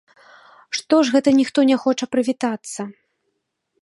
Што ж гэта ніхто не хоча прывітацца?